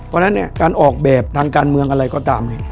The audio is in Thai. ตอนนั้นการออกแบบทางการเมืองอะไรก็ตาม